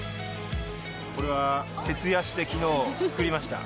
これは徹夜してきのう作りました。